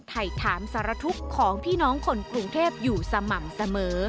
ถ่ายถามสารทุกข์ของพี่น้องคนกรุงเทพอยู่สม่ำเสมอ